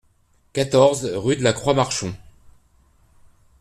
quatorze rue de la Croix Marchon